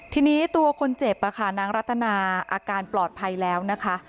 ทีนี้ตัวคนเจ็บนางรัตนาอาการปลอดภัยแล้วนะคะ